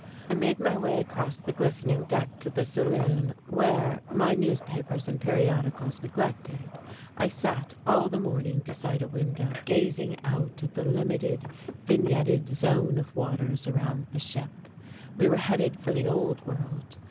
I made my way across the glistening deck to the saloon where, my newspapers and periodicals neglected, I sat all the morning beside a window gazing out at the limited, vignetted zone of waters around the ship. We were headed for the Old World.